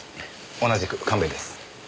同じく神戸です。